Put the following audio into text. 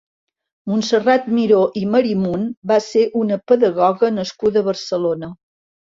Montserrat Miró i Marimon va ser una pedagoga nascuda a Barcelona.